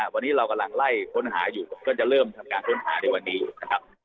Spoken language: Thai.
วันนี้เรากำลังไล่ค้นหาอยู่ก็จะเริ่มทำการค้นหาในวันนี้อยู่นะครับ